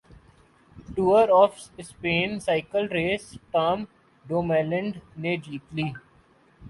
tour of Spain cycle race Tom ڈومیلینڈ نے جیت لی